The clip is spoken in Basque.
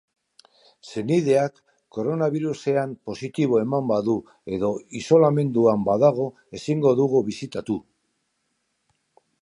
Senideak koronabirusean positibo eman badu edo isolamenduan badago, ezingo dugu bisitatu.